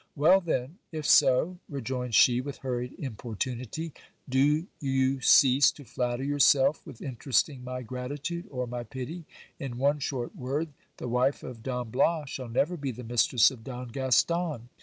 Well then ! if so, rejoined she with hurried im portunity, do you cease to flatter yourself with interesting my gratitude or my pity. In one short word, the .wife of Don Bias shall never be the mistress of Don Gaston.